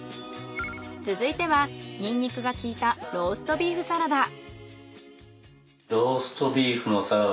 続いてはニンニクが効いたローストビーフのサラダ